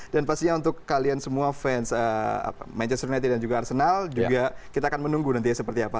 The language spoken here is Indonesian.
dan pastinya untuk kalian semua fans manchester united dan juga arsenal kita akan menunggu nanti seperti apa